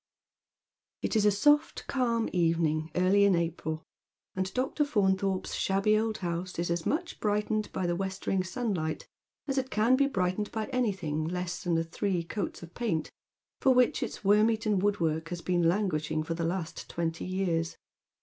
It is a soft, calm evening, early in April, and Dr. Faunthorpe's shabby old house is as much brightened by the westering sun light as it can be brightened by anything less than the three coats of paint for which its wonn eaten woodwork has been languishing for the last twenty years.